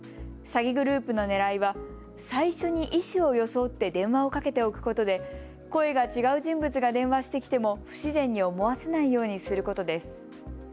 詐欺グループのねらいは最初に医師を装って電話をかけておくことで声が違う人物が電話してきても不自然に思わせないようにすることです。